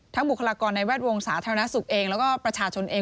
บุคลากรในแวดวงสาธารณสุขเองแล้วก็ประชาชนเอง